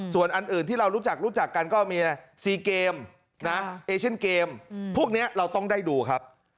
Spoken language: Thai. ส่วนอันอื่นที่เรารู้จักรู้จักกันก็มี๔เกมเอเชนเกมพวกนี้เราต้องได้ดูครับ